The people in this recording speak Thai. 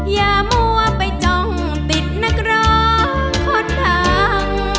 อย่ามั่วไปจ้องติดนักร้องคนดัง